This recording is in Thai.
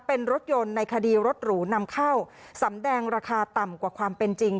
เป็นรถยนต์ในคดีรถหรูนำเข้าสำแดงราคาต่ำกว่าความเป็นจริง